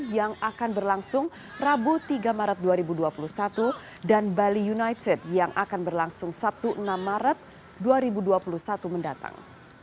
yang akan berlangsung rabu tiga maret dua ribu dua puluh satu dan bali united yang akan berlangsung sabtu enam maret dua ribu dua puluh satu mendatang